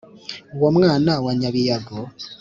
uwo mwana wa nyabiyago